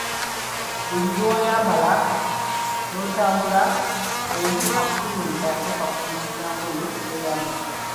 Buli lw‘oyambala n‘otambula, oli akutunuulira, asooka n‘atunuulira engoye z‘oyambadde.